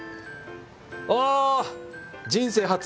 あ人生初！